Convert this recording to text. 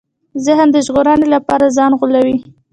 ذهن د ژغورنې لپاره ځان غولوي.